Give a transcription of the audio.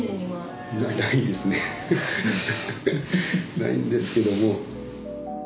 ないんですけども。